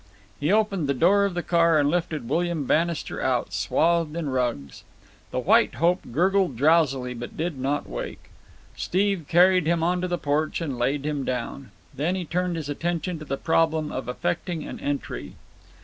He opened the door of the car and lifted William Bannister out, swathed in rugs. The White Hope gurgled drowsily, but did not wake. Steve carried him on to the porch and laid him down. Then he turned his attention to the problem of effecting an entry.